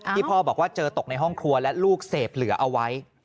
พ่อบอกว่าเจอตกในห้องครัวและลูกเสพเหลือเอาไว้